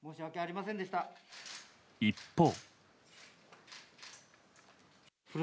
一方。